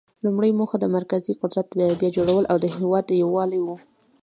لومړۍ موخه د مرکزي قدرت بیا جوړول او د هیواد یووالی و.